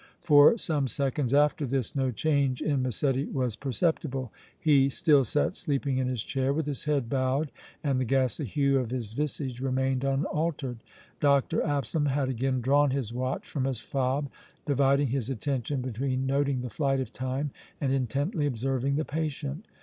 For some seconds after this no change in Massetti was perceptible. He still sat sleeping in his chair with his head bowed, and the ghastly hue of his visage remained unaltered. Dr. Absalom had again drawn his watch from his fob, dividing his attention between noting the flight of time and intently observing the patient.